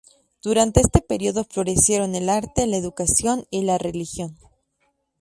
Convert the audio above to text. Durante este período florecieron el arte, la educación y la religión.